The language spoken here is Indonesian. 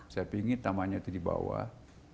saya pingin tamannya itu di bawah